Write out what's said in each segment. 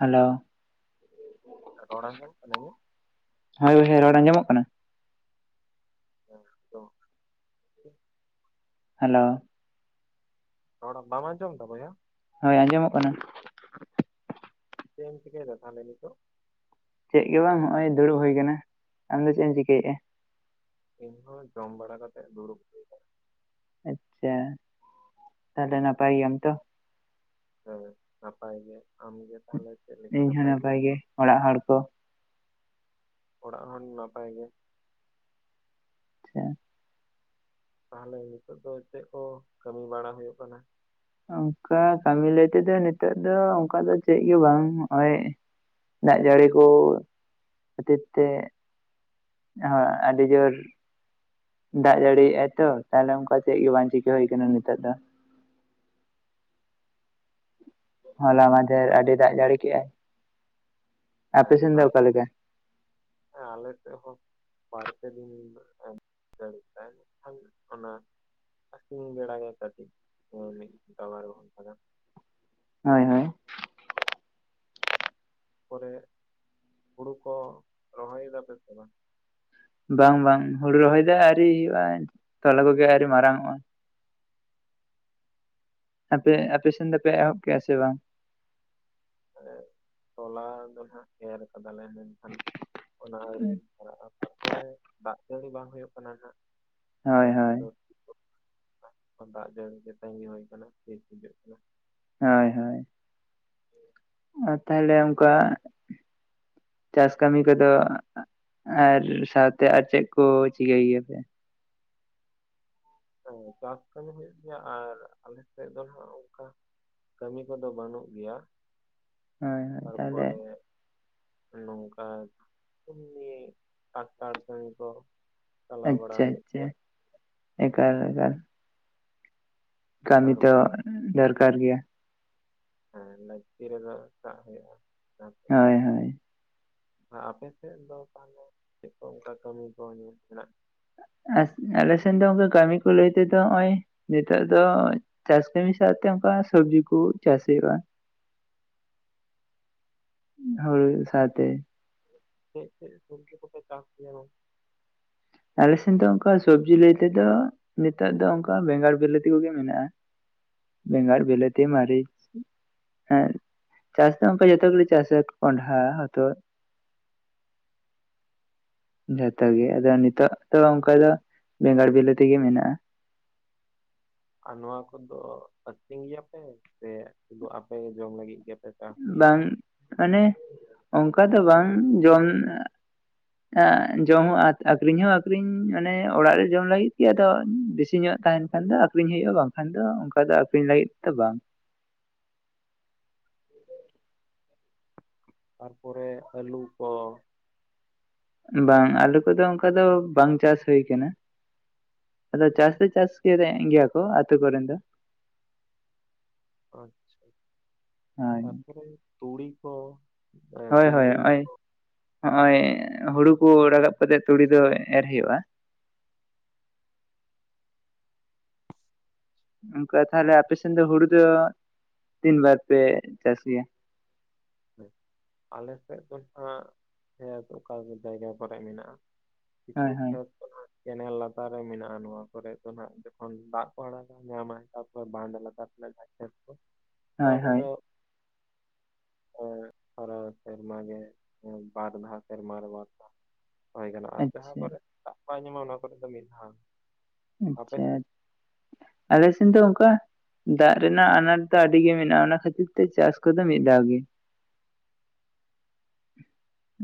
Hello. ᱨᱚᱲ ᱟᱸᱡᱚᱢᱚᱜ ᱠᱟᱱᱟ ᱤᱧᱟᱹᱜ? ᱦᱳᱭ ᱵᱚᱭᱦᱟ ᱨᱚᱲ ᱟᱸᱡᱚᱢᱚᱜ ᱠᱟᱱᱟ? ᱚ। ᱦᱮᱞᱳ। ᱨᱚᱲ ᱵᱟᱢ ᱟᱸᱡᱚᱢ ᱮᱫᱟ ᱵᱚᱭᱦᱟ? ᱦᱳᱭ ᱟᱸᱡᱚᱢᱚᱜ ᱠᱟᱱᱟ? ᱪᱮᱫ ᱮᱢ ᱪᱤᱠᱟᱹᱭᱫᱟ ᱛᱟᱞᱦᱮ ᱱᱤᱛᱚᱜ? ᱪᱮᱫ ᱜᱮᱵᱟᱝ ᱦᱚᱜ-ᱚᱭ ᱫᱩᱲᱩᱵ ᱦᱳᱭ ᱠᱟᱱᱟ, ᱟᱢᱫᱚ ᱪᱮᱫ ᱮᱢ ᱪᱤᱠᱟᱹᱭᱮᱜᱼᱟ? ᱤᱧ ᱦᱚᱸ ᱡᱚᱢ ᱵᱟᱲᱟ ᱠᱟᱛᱮᱜ ᱫᱩᱲᱩᱵ। ᱦᱩᱭ ᱠᱟᱱᱟ᱾ ᱟᱪᱪᱷᱟ, ᱛᱟᱦᱞᱮ ᱱᱟᱯᱟᱭ ᱜᱮᱭᱟᱢ ᱛᱚ? ᱦᱮᱸ ᱱᱟᱯᱟᱭ ᱜᱮ, ᱟᱢᱜᱮ ᱛᱟᱦᱚᱞᱮ ᱪᱮᱜ ᱞᱮᱠᱟ ᱤᱧ ᱦᱚᱸ ᱱᱟᱯᱟᱭ ᱜᱮᱭᱟᱢ ᱜᱮ ᱛᱚ? ᱚᱲᱟᱜ ᱦᱚᱲ ᱠᱚ। ᱚᱲᱟᱜ ᱦᱚᱲ ᱱᱟᱯᱟᱭ ᱜᱮ। ᱟᱪᱪᱷᱟ। ᱛᱟᱦᱞᱮ ᱱᱤᱛᱚᱜ ᱫᱚ ᱪᱮᱜ ᱠᱚ ᱠᱟᱹᱢᱤ ᱵᱟᱲᱟ ᱦᱳᱭᱳᱜ ᱠᱟᱱᱟ? ᱚᱝᱠᱟ ᱠᱟᱹᱢᱤ ᱞᱟᱹᱭ ᱛᱮᱫᱚ ᱱᱤᱛᱚᱜ ᱫᱚ ᱚᱝᱠᱟ ᱫᱚ ᱪᱮᱜ ᱜᱮ ᱵᱟᱝ, ᱱᱚᱜ-ᱚᱭ। ᱫᱟᱜ ᱡᱟᱹᱲᱤ ᱠᱩ ᱠᱷᱟᱹᱛᱤᱨ ᱛᱮᱼᱼ ᱦᱚᱭ ᱟᱹᱰᱤ ᱡᱳᱨᱼᱼ ᱫᱟᱜ ᱡᱟᱹᱲᱤ ᱭᱮᱜ-ᱟᱭ ᱛᱚ, ᱛᱟᱦᱚᱞᱮ ᱚᱱᱠᱟ ᱪᱮᱜ ᱜᱮ ᱵᱟᱝ ᱪᱤᱠᱟᱹ ᱦᱳᱭ ᱠᱟᱱᱟ ᱱᱤᱛᱚᱜ ᱫᱚ᱾ ᱦᱚᱞᱟ ᱢᱟᱫᱷᱦᱮᱨ ᱟᱹᱰᱤ ᱫᱟᱜ ᱡᱟᱹᱲᱤ ᱠᱮᱜ-ᱟᱭ᱾ ᱦᱮᱸ ᱮᱠᱟᱞ, ᱞᱮᱠᱟ ᱦᱮᱸ ᱟᱞᱮ ᱥᱮᱜ ᱦᱚᱸᱼᱼ ᱵᱟᱨ ᱯᱮ ᱫᱤᱱ ᱮᱸ ᱡᱟᱹᱲᱤ‌ ᱠᱮᱫᱟ ᱮᱱᱠᱷᱟᱱ ᱚᱱᱟᱼᱼ ᱥᱤᱧ ᱵᱮᱲᱟ ᱠᱟᱹᱴᱤᱡ ᱳᱭ ᱢᱤᱫ ᱜᱷᱚᱱᱴᱟ ᱵᱟᱨ ᱜᱷᱚᱱᱴᱟ ᱜᱟᱱ᱾ ᱦᱳᱭ ᱦᱳᱭ᱾ ᱯᱚᱨᱮ ᱦᱩᱲᱩ ᱠᱚ ᱨᱚᱦᱚᱭ ᱮᱫᱟ ᱯᱮ ᱥᱮ ᱵᱟᱝ? ᱵᱟᱝ ᱵᱟᱝ, ᱦᱩᱲᱩ ᱨᱚᱦᱚᱭ ᱫᱚ ᱟᱣᱨᱤ ᱦᱩᱭᱩᱜ-ᱟ, ᱛᱚᱞᱟ‌ ᱠᱚᱜᱮ ᱟᱣᱨᱤ ᱢᱟᱨᱟᱝᱚᱜ-ᱟ᱾ ᱟᱯᱮ, ᱟᱯᱮ ᱥᱮᱱ ᱫᱚ ᱯᱮ ᱮᱦᱚᱵ ᱠᱮᱜ-ᱟ ᱥᱮ ᱵᱟᱝ? ᱮᱸᱜ ᱛᱚᱞᱟ ᱫᱚ ᱱᱟᱦᱟᱸᱜ ᱮᱨ ᱠᱟᱫᱟ ᱞᱮ, ᱢᱮᱱᱠᱷᱟᱱ ᱚᱱᱟ ᱟᱹᱣᱨᱤ‌ ᱦᱟᱨᱟᱜ-ᱟ᱾ ᱛᱟᱨᱯᱚᱨᱮ ᱫᱟᱜ ᱡᱟᱹᱲᱤ ᱵᱟᱝ ᱦᱚᱭᱚᱜ ᱠᱟᱱᱟ, ᱱᱟᱦᱟᱸᱜ ᱦᱳᱭ ᱠᱷᱮᱛ ᱦᱳᱭ ᱠᱚᱫᱚ᱾ [inaudible] ᱫᱟᱜ ᱡᱟᱹᱲᱤ ᱜᱮ ᱛᱟᱺᱜᱤ ᱦᱚᱭ ᱠᱟᱱᱟ ᱛᱤᱥ ᱪᱤᱠᱟᱹᱜ ᱠᱟᱱᱟ᱾ ᱦᱳᱭ ᱦᱳᱭ᱾ ᱟᱨ ᱛᱟᱦᱚᱞᱮ ᱚᱱᱠᱟ ᱪᱟᱥ ᱠᱟᱢᱤ ᱠᱚᱫᱚ [unintelligible] ᱼᱼ ᱟᱨ ᱥᱟᱶᱛᱮ ᱟᱨ ᱪᱮᱜ ᱠᱚ ᱪᱤᱠᱟᱹᱭ ᱜᱮᱭᱟ ᱯᱮ? ᱦᱮᱸ ᱪᱟᱥ ᱠᱟᱹᱢᱤ ᱦᱳᱭᱳᱜ ᱜᱮᱭᱟ ᱟᱨ ᱟᱞᱮ ᱥᱮᱜ ᱫᱚ ᱱᱟᱦᱟᱸᱜ ᱚᱱᱠᱟᱼᱼ ᱠᱟᱹᱢᱤ ᱠᱚᱫᱚ ᱵᱟᱹᱱᱩᱜ ᱜᱮᱭᱟ, ᱦᱳᱭ ᱦᱳᱭ ᱛᱟᱦᱚᱞᱮ ᱛᱟᱨᱯᱚᱨᱮᱼᱼ ᱮᱸ ᱱᱚᱝᱠᱟ ᱮᱢᱱᱤ ᱴᱟᱠᱴᱟᱨ ᱠᱟᱹᱢᱤ ᱠᱚᱼᱼ ᱪᱟᱞᱟᱣ ᱵᱟᱲᱟ ᱟᱪᱪᱷᱟ ᱦᱩᱭᱩᱜ ᱟᱪᱪᱷᱟ ᱜᱮᱭᱟ᱾ ᱮᱠᱟᱞ ᱮᱠᱟᱞ᱾ ᱠᱟᱢᱤ ᱟᱨ ᱛᱚ ᱫᱚᱨᱠᱟᱨ ᱜᱮᱭᱟ᱾ ᱦᱮᱸ ᱞᱟᱹᱠᱛᱤ ᱨᱮᱫᱚ ᱥᱟᱵ ᱦᱩᱭᱩᱜ-ᱟ ᱦᱮᱸ᱾ ᱦᱳᱭ ᱦᱳᱭ᱾ ᱟᱨ ᱟᱯᱮ ᱥᱮᱫ ᱫᱚ ᱛᱟᱦᱚᱞᱮ ᱪᱮᱜ ᱠᱚ ᱚᱱᱠᱟ ᱠᱟᱹᱢᱤ ᱠᱚ ᱧᱮ ᱦᱮᱱᱟᱜ? ᱮᱸ ᱟᱞᱮ ᱥᱮᱱ ᱫᱚ ᱚᱱᱠᱟ ᱠᱟᱹᱢᱤ ᱠᱚ ᱞᱟᱹᱭ ᱛᱮ ᱦᱚᱜᱼᱚᱭᱼᱼ ᱱᱤᱛᱚᱜ ᱫᱚ ᱪᱟᱥ ᱠᱟᱹᱢᱤ ᱥᱟᱶᱛᱮ ᱚᱱᱠᱟ ᱥᱩᱵᱽᱡᱤ ᱠᱩ ᱪᱟᱥ ᱦᱩᱭᱩᱜ-ᱟ᱾ ᱦᱳᱲᱳ ᱥᱟᱶᱛᱮᱼᱼ ᱪᱮᱜ ᱪᱮᱜ ᱥᱚᱵᱽᱡᱤ ᱠᱚ ᱯᱮ ᱪᱟᱥ ᱜᱮᱭᱟ, ᱜᱚᱝᱼᱼ ᱟᱞᱮ ᱥᱮᱱ ᱫᱚ ᱚᱱᱠᱟ ᱥᱚᱵᱽᱡᱤ ᱞᱟᱹᱭ ᱛᱮᱫᱚ ᱱᱤᱛᱚᱜ ᱫᱚ ᱚᱱᱠᱟ ᱵᱮᱸᱜᱟᱲ ᱵᱤᱞᱟᱹᱛᱤ ᱠᱚᱜᱮ ᱢᱮᱱᱟᱜ-ᱟ᱾ ᱵᱮᱸᱜᱟᱲ, ᱵᱤᱞᱟᱹᱛᱤ, ᱢᱟᱨᱤᱪᱼᱼ ᱦᱮᱸ ᱪᱟᱥ ᱫᱚ ᱚᱱᱠᱟ ᱡᱚᱛᱚ ᱜᱮᱞᱮ ᱪᱟᱥᱟ ᱠᱚᱱᱰᱷᱦᱟ ᱦᱚᱛᱚᱫᱼᱼ ᱡᱷᱚᱛᱚ ᱜᱮ ᱟᱫᱚ ᱱᱤᱛᱚᱜ ᱫᱚ ᱚᱱᱠᱟ ᱫᱚ ᱵᱮᱸᱜᱟᱲ ᱵᱤᱞᱟᱹᱛᱤ ᱜᱮ ᱢᱮᱱᱟᱜ-ᱟ᱾ ᱟᱨ ᱱᱚᱣᱟ ᱠᱚᱫᱚ ᱟᱹᱠᱷᱨᱤᱧ ᱜᱮᱭᱟ ᱯᱮ ᱥᱮ ᱥᱩᱫᱩ ᱟᱯᱮ ᱜᱮ ᱡᱚᱢ ᱞᱟᱹᱜᱤᱫ ᱜᱮᱯᱮᱼᱼ ᱵᱟᱝ ᱢᱟᱱᱮ ᱚᱱᱠᱟ ᱫᱚ ᱵᱟᱝ ᱡᱚᱢᱼᱼ ᱟ ᱡᱚᱢ ᱦᱚᱸ ᱟᱠᱷᱨᱤᱧ ᱦᱚᱸ ᱟᱠᱷᱨᱤᱧ ᱢᱟᱱᱮ ᱚᱲᱟᱜ ᱨᱮ ᱡᱚᱢ ᱞᱟᱜᱤᱫ ᱜᱮ ᱟᱫᱚ ᱵᱮᱥᱤ ᱧᱚᱜ ᱛᱟᱦᱮᱸᱱᱼᱼ ᱵᱟᱠᱷᱟᱱ ᱫᱚ ᱟᱠᱷᱨᱤᱧ ᱦᱩᱭᱩᱜ-ᱟ, ᱵᱟᱝᱠᱷᱟᱱ ᱫᱚ ᱚᱱᱠᱟ ᱫᱚ ᱟᱠᱷᱨᱤᱧ ᱞᱟᱹᱜᱤᱫ ᱫᱚ ᱵᱟᱝ᱾ ᱛᱟᱨᱯᱚᱨᱮ ᱟᱹᱞᱩ ᱠᱚ᱾ ᱵᱟᱝ ᱟᱹᱞᱩ ᱠᱚᱫᱚ ᱚᱱᱠᱟ ᱫᱚ ᱵᱟᱝ ᱪᱟᱥ ᱦᱩᱭ ᱠᱟᱱᱟ᱾ ᱟᱫᱚ ᱪᱟᱥ ᱫᱚ ᱪᱟᱥ ᱜᱮ ᱫᱮᱜ ᱜᱮᱭᱟ ᱠᱚ ᱟᱹᱛᱩ ᱠᱚᱨᱮᱱ ᱫᱚ᱾ ᱚᱪᱪᱷᱟ, ᱦᱳᱭ ᱛᱟᱨᱯᱚᱨᱮ ᱛᱩᱲᱤ ᱠᱚ? ᱮ, ᱦᱳᱭ ᱦᱳᱭ ᱛᱤᱞᱢᱤᱧ ᱦᱚᱜ-ᱚᱭ ᱠᱚ? ᱦᱚᱜ-ᱚᱭ ᱦᱩᱲᱩ ᱠᱚ ᱨᱟᱠᱟᱵ ᱠᱟᱛᱮᱜ ᱛᱩᱲᱤ ᱫᱚ ᱮᱨ ᱦᱩᱭᱩᱜ-ᱟ᱾ ᱚᱱᱠᱟ ᱛᱟᱦᱚᱞᱮ ᱟᱯᱮ ᱥᱮᱱ ᱫᱚ ᱦᱩᱲᱩ ᱫᱚ ᱛᱤᱱ ᱵᱟᱨ ᱯᱮ ᱪᱟᱥ ᱜᱮᱭᱟ? ᱦᱳᱭ ᱟᱞᱮ ᱥᱮᱫ ᱫᱚ ᱱᱟᱦᱟᱸᱜ ᱠᱷᱮᱛ ᱚᱠᱟ ᱠᱚ ᱡᱟᱭᱜᱟ ᱠᱚᱨᱮ ᱢᱮᱱᱟᱜ-ᱟ᱾ ᱦᱳᱭ ᱠᱤᱪᱷᱩ ᱦᱳᱭ ᱠᱷᱮᱛ ᱠᱚ ᱱᱟᱦᱟᱸᱜᱼᱼ ᱠᱮᱱᱮᱞ ᱞᱟᱛᱟᱨ ᱨᱮ ᱢᱮᱱᱟᱜ-ᱟ, ᱱᱚᱣᱟ ᱠᱚᱨᱮ ᱫᱚ ᱱᱟᱦᱟᱜ ᱡᱚᱠᱷᱚᱱ ᱫᱟᱜ ᱠᱚ ᱟᱲᱟᱜᱟ ᱧᱟᱢᱟᱭ ᱛᱟᱨᱯᱚᱨ ᱵᱟᱸᱫᱽ ᱞᱟᱛᱟᱨ ᱨᱮ ᱡᱟᱦᱟᱸᱭᱼᱼ ᱠᱷᱮᱛ ᱠᱚ ᱱᱚᱣᱟ ᱦᱳᱭ ᱦᱳᱭ ᱠᱚᱫᱚᱼᱼ ᱮᱸᱜ ᱯᱚᱨᱮ ᱥᱮᱨᱢᱟ ᱜᱮ ᱵᱟᱨ ᱫᱷᱟᱣ ᱥᱮᱨᱢᱟ ᱨᱮ ᱥᱮᱨᱢᱟ‌ ᱨᱮ ᱵᱟᱨ ᱫᱷᱟᱣ ᱾ ᱦᱳᱭ ᱜᱟᱱᱚᱜᱼᱟ ᱡᱟᱦᱟᱸ ᱟᱪᱪᱷᱟ ᱠᱚᱨᱮᱜ ᱫᱟᱜ ᱵᱟᱭ ᱧᱟᱢᱟ ᱚᱱᱟ ᱠᱚᱨᱮ ᱫᱚ ᱢᱤᱫᱦᱷᱟᱣ᱾ ᱟᱪᱪᱷᱟ ᱟᱞᱮ ᱥᱮᱱ ᱫᱚ ᱚᱱᱠᱟ ᱫᱟᱜ ᱨᱮᱱᱟᱜ ᱟᱱᱟᱴ ᱫᱚ ᱟᱹᱰᱤᱜᱤ ᱢᱮᱱᱟᱜᱼᱟ ᱚᱱᱟ ᱠᱷᱟᱹᱛᱤᱨ ᱛᱮ ᱪᱟᱥ ᱠᱚᱫᱚ ᱢᱤᱫ ᱫᱷᱟᱣ ᱜᱮ᱾ [inaudible]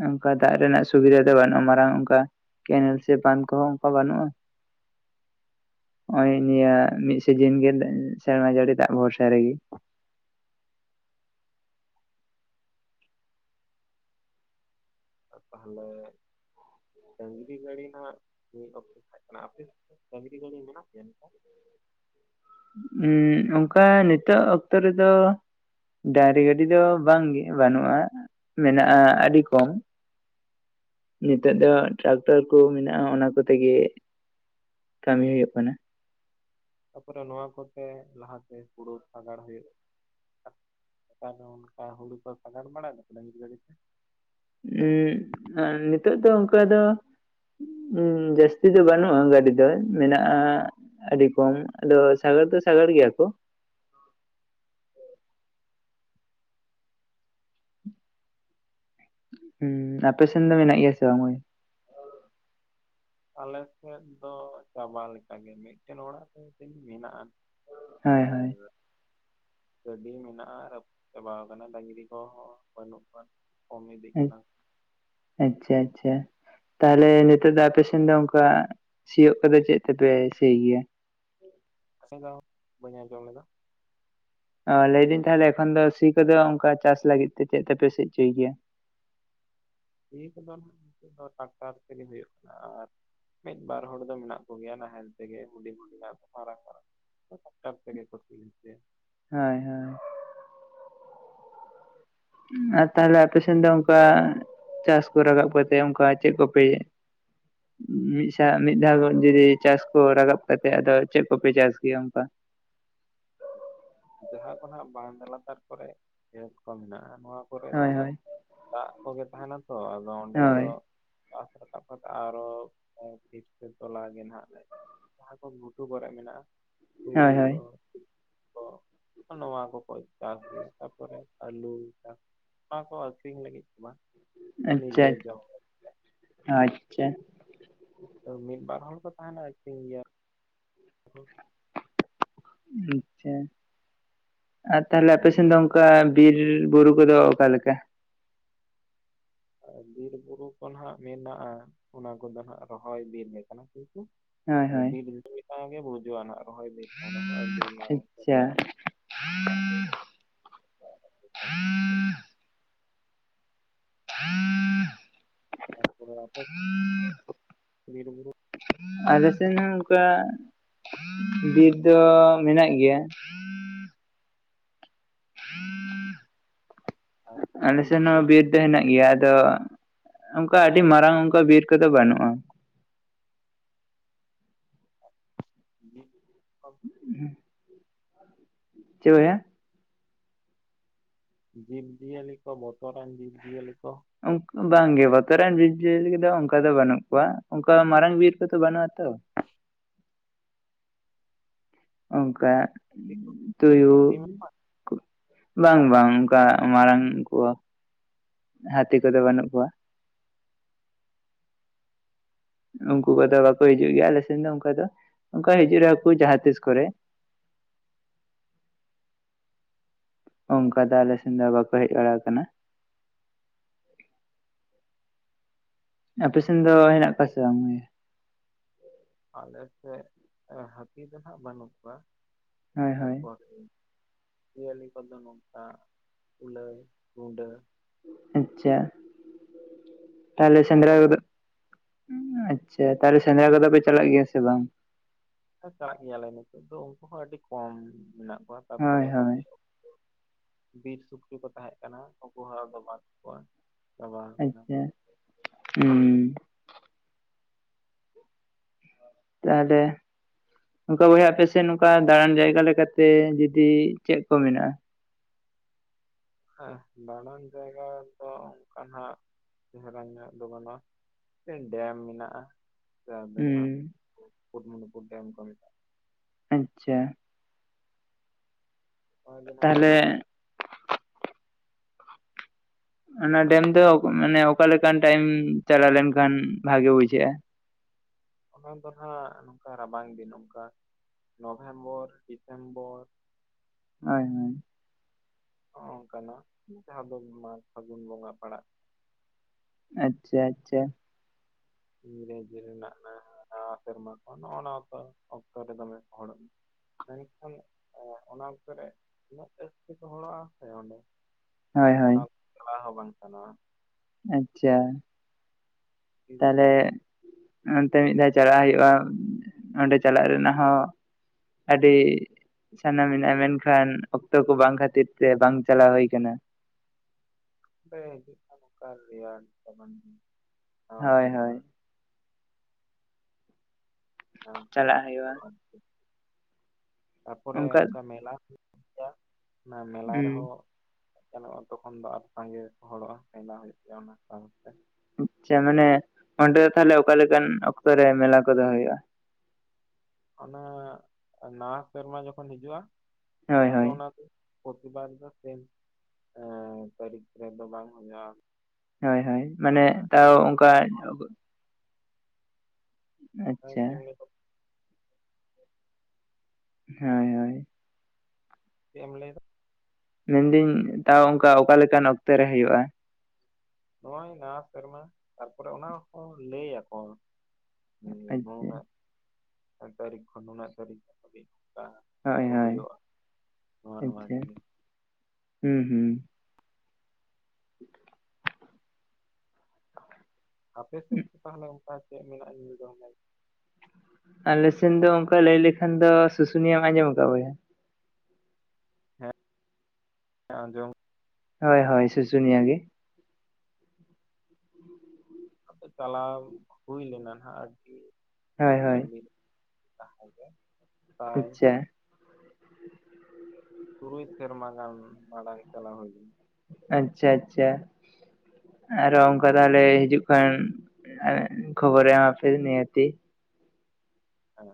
ᱚᱱᱠᱟ ᱫᱟᱜ ᱨᱮᱱᱟᱜ ᱥᱩᱵᱤᱫᱷᱟ ᱫᱚ ᱵᱟᱹᱱᱩᱜᱼᱟ ᱢᱟᱨᱟᱝ ᱚᱱᱠᱟ ᱠᱮᱱᱮᱞ ᱥᱮ ᱵᱟᱱ ᱠᱚᱦᱚᱸ ᱚᱱᱠᱟ ᱵᱟᱹᱱᱩᱜᱼᱟ᱾ ᱱᱚᱜᱚᱭ ᱱᱤᱭᱟᱹ ᱢᱤᱫ ᱥᱤᱡᱤᱱ ᱜᱮ ᱥᱮᱨᱢᱟ ᱡᱟᱹᱲᱤ ᱫᱟᱜ ᱵᱷᱚᱨᱥᱟ ᱨᱮᱜᱮ᱾ ᱛᱟᱦᱚᱞᱮ, ᱰᱟᱺᱝᱨᱤ ᱜᱟᱹᱰᱤ ᱱᱟᱜ ᱢᱤᱫ ᱚᱠᱛᱚ ᱛᱟᱦᱮ ᱠᱟᱱᱟ, ᱟᱯᱮ ᱥᱮᱫ ᱰᱟᱺᱝᱨᱤ ᱜᱟᱹᱰᱤ ᱢᱮᱱᱟᱜ ᱛᱮ ᱚᱱᱠᱟ? ᱩᱸᱜ ᱚᱱᱠᱟ ᱱᱤᱛᱚᱜ ᱚᱠᱛᱚ ᱨᱮᱫᱚ, ᱰᱟᱺᱝᱨᱤ ᱜᱟᱹᱰᱤ ᱫᱚ ᱵᱟᱝᱜᱮ ᱵᱟᱹᱱᱩᱜᱼᱟ, ᱢᱮᱱᱟᱜᱼᱟ ᱟᱹᱰᱤ ᱠᱚᱢ᱾ ᱱᱤᱛᱚᱜ ᱫᱚ ᱴᱨᱟᱠᱴᱚᱨ ᱠᱚ ᱢᱮᱱᱟᱜᱼᱟ ᱚᱱᱟ ᱠᱚᱛᱮᱜᱮ, ᱠᱟᱹᱢᱤ ᱦᱩᱭᱩᱜ ᱠᱟᱱᱟ᱾ ᱛᱟᱯᱚᱨᱮ ᱱᱚᱣᱟ ᱠᱚᱛᱮ ᱞᱟᱦᱟᱛᱮ ᱦᱩᱲᱩ ᱥᱟᱜᱟᱲ ᱦᱩᱭᱩᱜ ᱟᱨ ᱛᱟᱭᱱᱚᱢ ᱦᱩᱲᱩ ᱠᱚ ᱥᱟᱜᱟᱨ ᱵᱟᱲᱟ ᱰᱟᱺᱝᱨᱤ ᱜᱟᱲᱤ ᱛᱮ? ᱩᱸᱱᱤᱛᱚᱜ ᱫᱚ ᱚᱱᱠᱟ ᱫᱚ, ᱩᱸ ᱡᱟᱹᱥᱛᱤ ᱫᱚ ᱵᱟᱹᱱᱩᱜᱼᱟ ᱜᱟᱹᱰᱤ ᱫᱚ ᱢᱮᱱᱟᱜᱼᱟ ᱟᱹᱰᱤ ᱠᱚᱢ ᱟᱫᱚ ᱥᱟᱜᱟᱲ ᱫᱚ ᱥᱟᱜᱟᱲ ᱜᱮᱭᱟ ᱠᱚ᱾ ᱦᱩᱸ ᱟᱯᱮᱥᱮᱱ ᱫᱚ ᱢᱮᱱᱟᱜ ᱜᱮᱭᱟ ᱥᱮ ᱵᱟᱝ ᱵᱷᱟᱹᱭ? ᱟᱞᱮ ᱥᱮᱫ ᱫᱚ ᱪᱟᱵᱟ ᱞᱮᱠᱟᱜᱮ ᱢᱤᱫᱴᱮᱱ ᱚᱲᱟᱜ ᱨᱮ ᱡᱟᱱᱤᱡ ᱢᱮᱱᱟᱜᱼᱟ᱾ ᱦᱳᱭ ᱦᱳᱭ ᱟᱨᱻ ᱜᱟᱹᱰᱤ ᱢᱮᱱᱟᱜᱼᱟ ᱨᱟᱯᱩᱫ ᱪᱟᱵᱟ ᱟᱠᱟᱱᱟ ᱰᱟᱺᱝᱨᱤ ᱠᱚᱦᱚᱸ ᱵᱟᱹᱱᱩᱜ ᱠᱚᱶᱟ ᱠᱚᱢ ᱤᱫᱤᱜ ᱠᱟᱱᱟ᱾ ᱟᱪᱪᱷᱟ ᱟᱪᱪᱷᱟ ᱟᱪᱪᱷᱟ᱾ ᱛᱟᱦᱚᱞᱮ ᱱᱤᱛᱚᱜ ᱫᱚ ᱟᱯᱮᱥᱮᱱ ᱫᱚ ᱚᱱᱠᱟ ᱥᱤᱭᱳᱜ ᱠᱚᱫᱚ ᱪᱮᱫ ᱛᱮᱯᱮ ᱥᱤ ᱜᱮᱭᱟ? ᱱᱟᱥᱮ ᱫᱚ ᱵᱟᱹᱧ ᱟᱡᱚᱢ ᱞᱮᱫᱟ, ᱚ ᱞᱟᱹᱭᱫᱟᱹᱧ ᱛᱟᱦᱚᱞᱮ ᱮᱠᱷᱚᱱ ᱫᱚ ᱥᱤ ᱠᱚᱫᱚ ᱚᱱᱠᱟ ᱪᱟᱥ ᱞᱟᱹᱜᱤᱫ ᱛᱮ ᱪᱮᱫ ᱛᱮᱯᱮ ᱥᱤ ᱚᱪᱚᱭ ᱜᱮᱭᱟ᱾ ᱥᱤ ᱠᱚᱫᱚ ᱱᱟᱦᱟᱜ ᱱᱤᱛᱚᱜ ᱫᱚ ᱴᱟᱠᱴᱟᱨ ᱛᱮ ᱜᱮ ᱦᱩᱭᱩᱜ ᱠᱟᱱᱟ ᱟᱨ ᱢᱤᱫ ᱵᱟᱨ ᱦᱚᱲ ᱫᱚ ᱢᱮᱱᱟᱜ ᱠᱚᱜᱮᱭᱟ ᱱᱟᱦᱮᱞ ᱛᱮᱜᱮ ᱦᱩᱰᱤᱧ ᱦᱩᱰᱤᱧ ᱟᱜ ᱢᱟᱨᱟᱝ ᱢᱟᱨᱟᱝ, ᱴᱨᱟᱠᱴᱟᱨ ᱛᱮ ᱜᱮ ᱠᱚ ᱥᱤ ᱦᱚᱪᱚᱭᱟ᱾ ᱦᱳᱭ ᱦᱳᱭ᱾ ᱟᱨ ᱛᱟᱦᱚᱞᱮ ᱟᱯᱮᱥᱮᱫ ᱫᱚ ᱚᱱᱠᱟ ᱪᱟᱥ ᱠᱚ ᱨᱟᱠᱟᱵ ᱠᱟᱛᱮᱜ ᱚᱱᱠᱟ ᱪᱮᱫ ᱠᱚᱯᱮ [inaudible] ᱢᱤᱫᱥᱟ ᱢᱤᱫ ᱫᱷᱟᱣ ᱡᱩᱫᱤ ᱪᱟᱥ ᱠᱚ ᱨᱟᱠᱟᱵ ᱠᱟᱛᱮᱜ, ᱟᱫᱚ ᱪᱮᱫ ᱠᱚᱯᱮ ᱪᱟᱥ ᱜᱮᱭᱟ ᱚᱱᱠᱟ? ᱡᱟᱦᱟᱸ ᱠᱷᱚᱱᱟᱜ ᱵᱟᱫᱽ ᱞᱟᱛᱟᱨ ᱠᱚᱨᱮ ᱠᱷᱮᱛ ᱠᱚ ᱢᱮᱱᱟᱜᱼᱟ ᱱᱚᱣᱟ ᱠᱚᱨᱮ ᱫᱚ ᱦᱳᱭ ᱦᱟᱸᱜ, ᱦᱳᱭ ᱫᱟᱜ ᱠᱚᱜᱮ ᱛᱟᱦᱮᱱᱟ ᱛᱚ ᱟᱫᱚ ᱚᱸᱰᱮ ᱫᱚ ᱦᱳᱭ ᱪᱟᱥ ᱨᱟᱠᱟᱵ ᱠᱟᱛᱮ ᱟᱨᱚ ᱴᱷᱤᱠ ᱛᱮ ᱛᱚᱞᱟ ᱜᱮ ᱱᱟᱦᱟᱜ ᱞᱮ ᱡᱟᱦᱟᱸ ᱠᱚ ᱜᱷᱩᱴᱩ ᱠᱚᱨᱮ ᱢᱮᱱᱟᱜᱼᱟ ᱛᱩᱲᱤ ᱦᱳᱭ ᱦᱳᱭ ᱠᱚ ᱛᱤᱞᱢᱤᱧ ᱠᱚ, ᱱᱚᱣᱟ ᱠᱚᱠᱚ ᱪᱟᱥ ᱜᱮᱭᱟ ᱛᱟᱯᱚᱨᱮ ᱟᱹᱞᱩ ᱪᱟᱥ ᱚᱱᱟ ᱠᱚ ᱟᱹᱠᱷᱨᱤᱧ ᱞᱟᱹᱜᱤᱫ ᱫᱚ ᱵᱟᱝ ᱛᱚ ᱟᱪᱪᱷᱟ ᱱᱤᱡᱮ ᱡᱚᱢ ᱟᱪᱪᱷᱟ ᱚ ᱟᱪᱪᱷᱟ᱾ ᱚ ᱢᱤᱫ ᱵᱟᱨ ᱦᱚᱲ ᱠᱚ ᱛᱟᱦᱮᱱᱟ ᱟᱠᱷᱨᱤᱧ ᱜᱮᱭᱟ, ᱠᱚ ᱟᱪᱪᱷᱟ ᱟᱨ ᱛᱟᱦᱞᱮ ᱟᱯᱮ ᱥᱮᱱ ᱫᱚ ᱚᱱᱠᱟ ᱵᱤᱨᱼᱵᱩᱨᱩ ᱠᱚᱫᱚ ᱚᱠᱟᱞᱮᱠᱟ? ᱟᱸ ᱵᱤᱨᱼᱵᱩᱨᱩ ᱠᱚ ᱦᱟᱸᱜ ᱢᱮᱱᱟᱜᱼᱟ ᱚᱱᱟ ᱠᱚᱫᱚ ᱦᱟᱸᱜ ᱨᱚᱦᱚᱭ ᱵᱤᱨ ᱜᱮ ᱠᱟᱱᱟ ᱠᱤᱱᱛᱩ ᱦᱳᱭ ᱦᱳᱭ ᱵᱤᱨ [unintelligible] ᱜᱮ ᱵᱩᱡᱩᱜᱼᱟ ᱱᱟᱜ ᱨᱚᱦᱚᱭ ᱵᱤᱨ ᱠᱟᱱ ᱨᱮᱦᱚᱸ ᱟᱹᱰᱤ ᱢᱟᱨᱟᱝ ᱛᱮ ᱟᱪᱪᱷᱟ ᱢᱮᱱᱟᱜᱼᱟ ᱾ [inaudible] [inaudible] ᱛᱟᱨᱯᱚᱨᱮ ᱟᱯᱮ ᱵᱤᱨᱼᱵᱩᱨᱩ, ᱟᱞᱮ ᱥᱮᱫ ᱦᱚᱸ ᱚᱱᱠᱟ, ᱵᱤᱨ ᱫᱚ ᱢᱮᱱᱟᱜ ᱜᱮᱭᱟ᱾ ᱟᱨ ᱟᱞᱮ ᱡᱤᱵᱽ ᱥᱮᱱ ᱦᱚᱸ ᱡᱤᱭᱟᱹᱞᱤ ᱵᱤᱨ ᱛᱮ ᱦᱮᱱᱟᱜ ᱜᱮᱭᱟ ᱟᱫᱚ ᱚᱱᱠᱟ ᱟᱹᱰᱤ ᱢᱟᱨᱟᱝ ᱚᱱᱠᱟ ᱵᱤᱨ ᱠᱚᱫᱚ ᱵᱟᱹᱱᱩᱜᱼᱟ᱾ ᱡᱮ [unintelligible] ᱩᱦᱩᱸ [unintelligible] ᱪᱮ [unintelligible] ᱡᱤᱵᱽ ᱡᱤᱭᱟᱹᱞᱤ ᱠᱚ, ᱵᱚᱛᱚᱨᱟᱱ ᱡᱤᱵᱽ ᱡᱤᱭᱟᱹᱞᱤ ᱠᱚ ᱵᱟᱝ ᱜᱮ ᱵᱚᱛᱚᱨᱟᱱ ᱡᱤᱵᱽ ᱡᱤᱭᱟᱹᱞᱤ ᱠᱚ ᱫᱚ, ᱚᱱᱠᱟ ᱫᱚ ᱵᱟᱹᱱᱩᱜ ᱠᱚᱣᱟ, ᱚᱱᱠᱟ ᱢᱟᱨᱟᱝ ᱵᱤᱨ ᱠᱚᱫᱚ ᱵᱟᱹᱱᱩᱜᱼᱟ ᱛᱚ᱾ ᱚᱝᱠᱟ ᱦᱟᱹᱛᱤ ᱠᱚ ᱛᱳᱭᱳ ᱦᱟᱹᱛᱤ ᱢᱟ ᱵᱟᱝ, ᱵᱟᱝ, ᱚᱝᱠᱟ ᱢᱟᱨᱟᱝ ᱠᱚ ᱦᱟᱹᱛᱤ ᱠᱚᱫᱚ ᱵᱟᱹᱱᱩᱜ ᱠᱚᱣᱟ᱾ ᱩᱱᱠᱩ ᱠᱚᱫᱚ ᱵᱟᱠᱚ ᱦᱤᱡᱩᱜ ᱜᱮᱭᱟ, ᱟᱞᱮ ᱥᱮᱱ ᱫᱚ, ᱚᱱᱠᱟ ᱫᱚ, ᱚᱱᱠᱟ ᱦᱤᱡᱩᱜ ᱨᱮᱦᱚᱠᱚ ᱡᱟᱦᱟᱸᱛᱤᱥ ᱠᱚᱨᱮ᱾ ᱚᱝᱠᱟ ᱫᱚ ᱟᱞᱮ ᱥᱮᱱ ᱫᱚ, ᱵᱟᱠᱚ ᱦᱮᱡ ᱵᱟᱲᱟ ᱠᱟᱱᱟ᱾ ᱟᱯᱮ ᱥᱮᱱ ᱫᱚ, ᱦᱮᱱᱟᱜ ᱠᱚᱣᱟ ᱥᱮ ᱵᱟᱝ? ᱟᱞᱮ ᱥᱮᱜ ᱦᱟᱹᱛᱤ ᱫᱚ ᱦᱟᱸᱜ, ᱵᱟᱹᱱᱩᱜ ᱠᱚᱣᱟ᱾ ᱦᱳᱭ ᱦᱳᱭ ᱛᱟᱨᱯᱚᱨ ᱮ, ᱡᱤᱭᱟᱹᱞᱤ ᱠᱚ ᱫᱚ ᱱᱚᱝᱠᱟ, ᱠᱩᱞᱟᱹᱭ ᱨᱩᱰᱟᱹ᱾ ᱟᱪᱪᱷᱟ, ᱛᱟᱦᱚᱞᱮ ᱱᱩᱠᱩ ᱥᱮᱸᱫᱽᱨᱟ ᱠᱚᱜᱮ ᱠᱚᱫᱚ ᱮᱸ ᱟᱪᱪᱷᱟ, ᱛᱟᱦᱚᱞᱮ ᱥᱮᱸᱫᱽᱨᱟ ᱠᱚᱫᱚ ᱯᱮ ᱪᱟᱞᱟᱜ ᱜᱮᱭᱟ ᱥᱮ ᱵᱟᱝ? ᱪᱟᱞᱟᱜ ᱜᱮᱭᱟᱞᱮ, ᱱᱤᱛᱚᱜ ᱫᱚ ᱩᱱᱠᱩ ᱦᱚᱸ ᱟᱹᱰᱤ ᱠᱚᱢ ᱢᱮᱱᱟᱜ ᱠᱚᱣᱟ᱾ ᱦᱳᱭ ᱛᱟᱯᱚᱨᱮ ᱦᱳᱭ ᱵᱤᱨ ᱥᱩᱠᱨᱤ ᱠᱚ ᱛᱟᱦᱮᱸᱜ ᱠᱟᱱᱟ, ᱩᱱᱠᱩ ᱦᱚᱸ ᱟᱫᱚ ᱵᱟᱹᱱᱩᱜ ᱠᱚᱣᱟ᱾ ᱪᱟᱵᱟ ᱟᱠᱟᱱᱟ ᱟᱪᱪᱷᱟ, ᱦᱩᱸ, ᱛᱟᱦᱟᱞᱮ ᱚᱱᱠᱟ ᱵᱚᱭᱦᱟ ᱟᱯᱮᱥᱮᱱ, ᱱᱚᱝᱠᱟ ᱫᱟᱬᱟᱱ ᱡᱟᱭᱜᱟ ᱞᱮᱠᱟᱛᱮ, ᱡᱩᱫᱤ ᱪᱮ ᱠᱚ ᱢᱮᱱᱟᱜᱼᱟ? ᱦᱮᱸ, ᱫᱟᱬᱟᱱ ᱡᱟᱭᱜᱟ ᱫᱚ ᱚᱱᱠᱟᱱᱟᱸᱜ, ᱪᱮᱦᱮᱨᱟ ᱧᱚᱜ ᱫᱚ ᱵᱟᱹᱱᱩᱜᱼᱟ᱾ ᱢᱤᱫᱴᱟᱝ ᱰᱮᱢ ᱢᱮᱱᱟᱜᱼᱟ, ᱡᱟᱦᱟᱸ ᱫᱚ ᱦᱟᱸᱜ, ᱦᱩᱸ ᱢᱩᱠᱩᱴᱢᱩᱱᱤᱯᱩᱨ ᱰᱮᱢ ᱠᱚ ᱢᱮᱛᱟᱜᱼᱟ᱾ ᱟᱹᱪᱪᱟ ᱱᱚ ᱚᱭ ᱜᱮ ᱱᱟᱦᱟᱜ ᱢᱮᱱᱟᱜᱼᱟ᱾ ᱛᱟᱦᱚᱞᱮ ᱚᱱᱟ ᱰᱮᱢ ᱫᱚ ᱢᱟᱱᱮ ᱚᱠᱟᱞᱮᱠᱟᱱ ᱴᱟᱭᱤᱢ, ᱪᱟᱞᱟᱣ ᱞᱮᱱᱠᱷᱟᱱ ᱵᱷᱟᱜᱮ ᱵᱩᱡᱷᱟᱹᱜᱼᱟ? ᱚᱱᱟ ᱫᱚ ᱦᱟᱸᱜ ᱱᱚᱝᱠᱟ ᱨᱟᱵᱟᱝ ᱫᱤᱱ, ᱚᱱᱠᱟ ᱱᱚᱵᱷᱮᱢᱵᱚᱨ, ᱰᱤᱥᱮᱢᱵᱚᱨ᱾ ᱟᱱᱚᱭ [unintelligible] ᱦᱚᱸᱚᱝᱠᱟᱱᱟᱜ ᱡᱟᱦᱟᱸ ᱫᱚ, ᱢᱟᱜ ᱯᱷᱟᱹᱜᱩᱱ ᱵᱚᱸᱜᱟ ᱯᱟᱲᱟᱜ ᱟᱪᱪᱟ, ᱟᱪᱪᱟ, ᱾ ᱤᱝᱨᱮᱡᱤ ᱨᱮᱱᱟᱜ ᱱᱟᱣᱟ ᱥᱮᱨᱢᱟ ᱠᱚ, ᱱᱚᱜᱼᱱᱟ ᱠᱚ ᱚᱠᱛᱚ ᱨᱮ ᱫᱚᱢᱮ ᱠᱚ ᱦᱚᱲᱚᱜ ᱜᱮᱭᱟ᱾ ᱢᱮᱱᱠᱷᱟᱱ ᱚᱱᱟ ᱚᱠᱛᱚ ᱨᱮ, ᱩᱱᱟᱹᱜ ᱡᱟᱹᱥᱛᱤ ᱠᱚ ᱦᱚᱲᱚᱜ ᱟᱥᱮ ᱚᱸᱰᱮ ᱦᱳᱭ ᱦᱳᱭ ᱚᱱᱟ ᱚᱠᱛᱚ ᱪᱟᱞᱟᱣ ᱦᱚᱸ ᱵᱟᱝ ᱥᱟᱱᱟᱣᱟ᱾ ᱟᱪᱪᱟ ᱛᱟᱦᱟᱞᱮ ᱚᱱᱛᱮ ᱢᱤᱫ ᱫᱷᱟᱣ ᱪᱟᱞᱟᱜ ᱦᱳᱭᱳᱜᱼᱟ, ᱚᱸᱰᱮ ᱪᱟᱞᱟᱜ ᱨᱮᱱᱟᱜ ᱦᱚᱸ, ᱟᱹᱰᱤ ᱥᱟᱱᱟ ᱢᱮᱱᱟᱜᱼᱟ, ᱢᱮᱱᱠᱷᱟᱱ ᱚᱠᱛᱚ ᱠᱚ ᱵᱟᱝ ᱠᱷᱟᱹᱛᱤᱨ ᱛᱮ, ᱵᱟᱝ ᱪᱟᱞᱟᱣ ᱦᱳᱭ ᱠᱟᱱᱟ᱾ ᱯᱮ ᱦᱤᱡᱩ ᱠᱷᱟᱱ, ᱚᱱᱠᱟ ᱞᱟᱹᱭᱟ ᱞᱮᱯᱮ ᱵᱟᱝ ᱫᱚ ᱵᱟᱝ? ᱦᱳᱭ, ᱦᱳᱭ᱾ ᱢᱟᱲᱟᱝ ᱠᱚᱨᱮ ᱪᱟᱞᱟᱜ ᱦᱳᱭᱳᱜᱼᱟ᱾ ᱦᱳᱲᱳ ᱟᱨᱠᱤ ᱛᱟᱨᱯᱚᱨᱮ ᱚᱱᱠᱟ ᱚᱠᱟ ᱢᱮᱞᱟ ᱦᱳᱭᱳᱜ ᱜᱮᱭᱟ, ᱚᱱᱟ ᱢᱮᱞᱟ ᱦᱩᱸ ᱨᱮᱦᱚᱸ ᱥᱮᱱᱚᱜᱼᱟ ᱛᱚᱠᱷᱚᱱ ᱫᱚ ᱟᱨ ᱥᱟᱸᱜᱮ ᱜᱮᱠᱚ ᱦᱚᱲᱚᱜᱼᱟ, ᱾ᱢᱮᱞᱟ ᱦᱳᱭᱳᱜ ᱜᱮᱭᱟ ᱚᱱᱟ ᱠᱟᱨᱚᱱ ᱛᱮ ᱟᱪᱪᱷᱟ ᱢᱟᱱᱮ ᱚᱸᱰᱮ ᱫᱚ ᱛᱟᱦᱚᱞᱮ, ᱚᱠᱟᱞᱮᱠᱟᱱ ᱚᱠᱛᱚ ᱨᱮ ᱢᱮᱞᱟ ᱠᱚᱫᱚ ᱦᱳᱭᱳᱜᱼᱟ᱾ ᱚᱱᱟ ᱱᱟᱣᱟ ᱥᱮᱨᱢᱟ ᱡᱚᱠᱷᱚᱱ ᱦᱤᱡᱩᱜᱼᱟ, ᱦᱳᱭ ᱟᱫᱚ ᱦᱳᱭ ᱚᱱᱟ ᱯᱨᱚᱛᱤᱵᱟᱨ ᱫᱚ ᱥᱮᱢ, ᱛᱟᱹᱨᱤᱠᱷ ᱨᱮᱫᱚ ᱵᱟᱝ ᱦᱳᱭᱳᱜᱼᱟ᱾ ᱦᱳᱭ, ᱦᱳᱭ, ᱢᱟᱱᱮ ᱛᱟᱣ ᱚᱱᱠᱟ ᱦᱮᱸ ᱟᱪᱪᱷᱟ ᱜᱚᱝᱠᱮ ᱚᱸᱰᱮ ᱫᱚ [unintelligible] ᱦᱳᱭ, ᱦᱳᱭ᱾ ᱪᱮᱜ ᱮᱢ ᱞᱟᱹᱭ ᱫᱟ? ᱢᱮᱱᱫᱟᱹᱧ ᱛᱟᱣ ᱚᱝᱠᱟ ᱚᱠᱟᱞᱮᱠᱟᱱ ᱚᱠᱛᱚ ᱨᱮ ᱦᱳᱭᱳᱜᱼᱟ᱾ ᱱᱚᱜᱚᱭ ᱱᱟᱣᱟ ᱥᱮᱨᱢᱟ, ᱛᱟᱨᱯᱚᱨᱮ ᱚᱱᱟ ᱦᱚᱸ ᱞᱟᱹᱭ ᱟᱠᱚ᱾ ᱦᱮᱸ ᱟᱪᱪᱷᱟ ᱱᱩᱱᱟᱹᱜ ᱛᱟᱹᱨᱤᱠᱷ ᱠᱷᱚᱱ ᱱᱩᱱᱟᱹᱜ ᱛᱟᱹᱨᱤᱠᱷ ᱫᱷᱟᱵᱤᱡ [unintelligible] ᱦᱳᱭ ᱠᱚ ᱦᱳᱭ ᱦᱩᱭᱩᱜᱼᱟ ᱱᱚᱣᱟᱜᱼ ᱱᱚᱣᱟ ᱟᱪᱪᱷᱟ ᱡᱤᱱᱤᱥ᱾ ᱦᱩᱸ ᱦᱩᱸ᱾ [inaudible] ᱟᱯᱮ ᱥᱮᱫ ᱠᱚ ᱛᱟᱦᱚᱞᱮ ᱚᱱᱠᱟ ᱪᱮᱫ ᱢᱮᱱᱟᱜᱼᱟ ᱧᱮᱞ ᱡᱚᱝ ᱞᱟᱹᱜᱤᱫ? ᱟᱞᱮᱥᱮᱱ ᱫᱚ ᱚᱱᱠᱟ ᱞᱟᱹᱭ ᱞᱮᱠᱷᱟᱱ ᱫᱚ ᱥᱩᱥᱩᱱᱤᱭᱟᱹᱢ ᱟᱸᱡᱚᱢ ᱠᱟᱫᱟ ᱵᱚᱭᱦᱟ? ᱦᱮᱜ ᱟᱸᱡᱚᱢ ᱦᱳᱭ ᱦᱳᱭ ᱥᱩᱥᱩᱱᱤᱭᱟᱹ ᱜᱮ᱾ ᱟᱫᱚ ᱪᱟᱞᱟᱣ ᱦᱩᱭ ᱞᱮᱱᱟ ᱱᱟᱦᱟᱸᱜ ᱟᱹᱰᱤ ᱦᱳᱭ ᱦᱳᱭ ᱟᱹᱰᱤ ᱛᱟᱸᱦᱮ ᱜᱮ, ᱯᱨᱟᱭ ᱟᱪᱪᱷᱟ᱾ ᱛᱩᱨᱩᱭ ᱥᱮᱨᱢᱟ ᱜᱟᱱ ᱢᱟᱲᱟᱝ ᱪᱟᱞᱟᱣ ᱦᱩᱭ ᱞᱮᱱ᱾ ᱟᱪᱪᱷᱟ ᱟᱪᱪᱷᱟ᱾ ᱟᱨᱚ ᱚᱱᱠᱟ ᱛᱟᱦᱚᱞᱮ ᱦᱤᱡᱩᱜ ᱠᱷᱟᱱ ᱠᱷᱚᱵᱚᱨᱮ ᱮᱢᱟᱯᱮ ᱱᱤᱦᱟᱹᱛᱤ᱾ ᱦᱮᱸ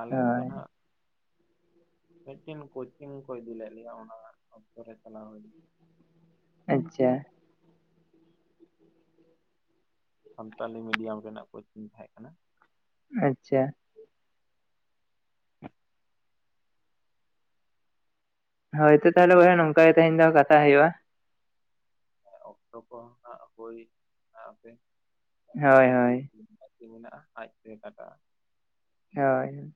ᱟᱞᱮ ᱫᱚ ᱦᱳᱭ ᱱᱟᱜ ᱢᱤᱫᱴᱤᱱ ᱠᱳᱪᱤᱝ ᱠᱚ ᱤᱫᱤ ᱞᱮᱫ ᱞᱮᱭᱟ ᱚᱱᱟ ᱚᱠᱛᱚ ᱨᱮ ᱪᱟᱞᱟᱣ ᱦᱩᱭ ᱞᱮᱱᱟ᱾ ᱟᱪᱪᱷᱟ᱾ ᱥᱟᱱᱛᱟᱞᱤ ᱢᱤᱰᱤᱭᱟᱢ ᱨᱮᱱᱟᱜ ᱠᱳᱪᱤᱝ ᱛᱟᱦᱮᱸ ᱠᱟᱱᱟ᱾ ᱟᱪᱪᱷᱟ᱾ ᱦᱳᱭᱛᱳ ᱛᱟᱦᱚᱞᱮ ᱵᱚᱭᱦᱟ ᱱᱚᱝᱠᱟ ᱜᱮ ᱛᱮᱦᱮᱧ ᱫᱚ ᱠᱟᱛᱷᱟ ᱦᱩᱭᱩᱜᱭᱼᱟ᱾ ᱚᱠᱛᱚ ᱠᱚ ᱦᱚᱸ ᱱᱷᱟᱜ ᱦᱩᱭ ᱟᱯᱮ ᱦᱳᱭ ᱟᱨᱠᱤ ᱦᱳᱭ [unintelligible] ᱢᱮᱱᱟᱜᱼᱟ ᱟᱡᱛᱮ ᱠᱟᱴᱟᱜᱼᱟ᱾ ᱦᱳᱭ‌᱾